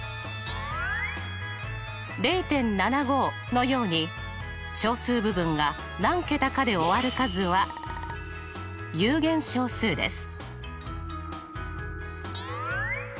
０．７５のように小数部分が何桁かで終わる数は有限小数です。